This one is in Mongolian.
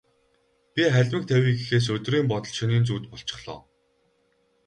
Би халимаг тавья гэхээс өдрийн бодол, шөнийн зүүд болчихлоо.